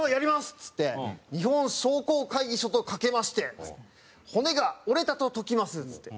っつって「日本商工会議所とかけまして骨が折れたと説きます」っつって。